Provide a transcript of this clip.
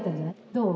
どう？